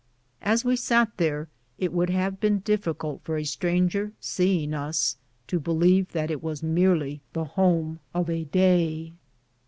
As we sat there it would have been difficult for a stranger seeing us to believe that it was merely the home of a day.